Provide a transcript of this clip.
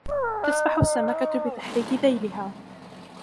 تسبح السمكة بتحريك ذيلها.